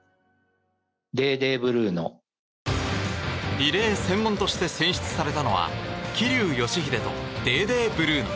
リレー専門として選出されたのは桐生祥秀とデーデー・ブルーノ。